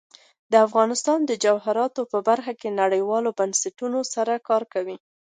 افغانستان د جواهرات په برخه کې نړیوالو بنسټونو سره کار کوي.